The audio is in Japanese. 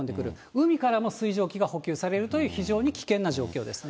海からも水蒸気が補給されるという、非常に危険な状況ですね。